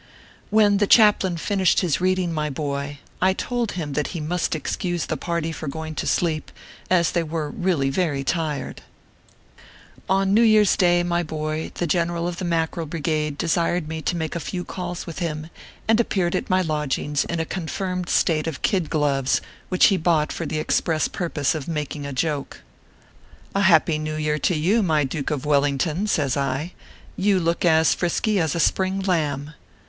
When the chaplain finished his reading, my boy, I told him that he must excuse the party for going to sleep, as they were really very tired. ORPHEUS C. KERR PAPERS. 167 On New Year s day, my boy, the General of the Mackerel Brigade desired me to make a few calls with him ; and appeaml tit my lodgings in a confirmed state of kid gloves, which he bought for the express purpose of making a joke. " A happy New Year to you, my Duke of Wel lington/ says I. " You look as frisky as a spring lamb."